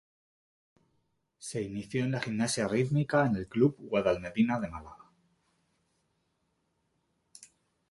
Se inició en la gimnasia rítmica en el Club Guadalmedina de Málaga.